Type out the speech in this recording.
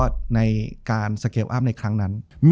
จบการโรงแรมจบการโรงแรม